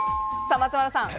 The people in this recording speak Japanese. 松丸さん。